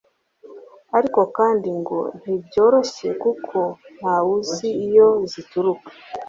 ariko kandi ngo ntibyoroshye kuko ntawe uzi iyo zituruka